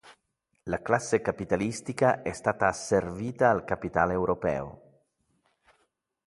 La classe capitalistica è stata asservita al capitale europeo.